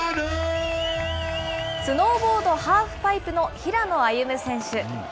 スノーボードハーフパイプの平野歩夢選手。